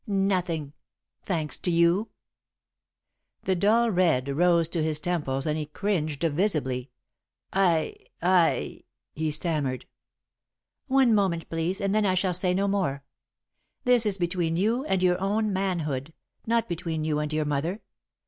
Nothing thanks to you!" [Sidenote: The Name of Marsh] The dull red rose to his temples and he cringed visibly. "I I " he stammered. "One moment, please, and then I shall say no more. This is between you and your own manhood, not between you and your mother.